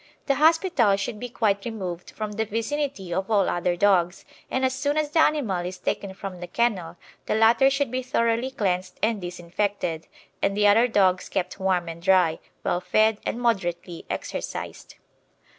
The hospital should be quite removed from the vicinity of all other dogs, and as soon as the animal is taken from the kennel the latter should be thoroughly cleansed and disinfected, and the other dogs kept warm and dry, well fed, and moderately exercised.